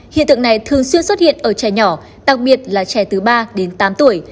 hiện tượng này thường xuyên xuất hiện ở trẻ nhỏ đặc biệt là trẻ từ ba đến tám tuổi